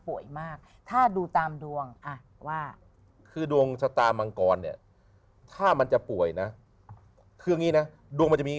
มากถ้าดูตามดวงอ่ะว่าคือดวงชะตามังกรเนี่ยถ้ามันจะป่วยนะคืออย่างนี้นะดวงมันจะมี